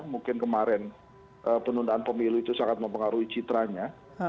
mungkin kemarin penundaan pemilu itu sangat mempengaruhi citranya